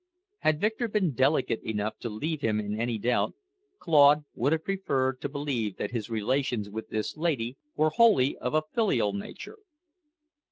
Had Victor been delicate enough to leave him in any doubt, Claude would have preferred to believe that his relations with this lady were wholly of a filial nature.